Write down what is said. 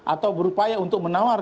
atau berupaya untuk menawar